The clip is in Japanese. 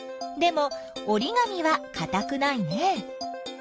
でもおりがみはかたくないね。